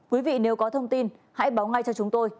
quý vị nếu có thông tin hãy báo ngay cho chúng tôi